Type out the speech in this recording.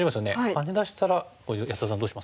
ハネ出したら安田さんどうします？